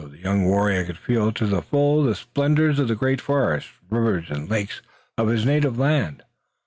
The young warrior could feel to the full the splendors of the great forests, rivers and lakes of his native land.